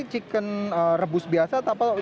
ini chicken rebus biasa atau apa